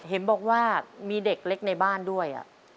เห็นบอกว่ามีเด็กเล็กในบ้านด้วย